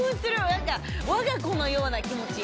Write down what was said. なんか、わが子のような気持ち。